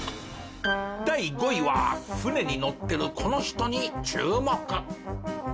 第５位は船に乗ってるこの人に注目！